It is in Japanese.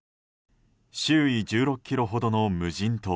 周囲１６ｋｍほどの無人島。